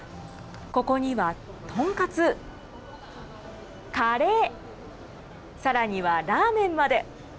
ここにはとんかつ、カレー、さらにはラーメンまで。